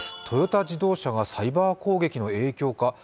トヨタ自動車がサイバー攻撃の影響か？